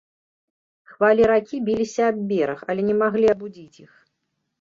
Хвалі ракі біліся аб бераг, але не маглі абудзіць іх.